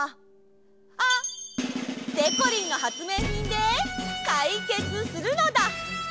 あっ！でこりんのはつめいひんでかいけつするのだ！